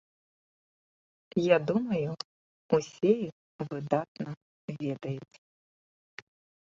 Я думаю усе іх выдатна ведаюць.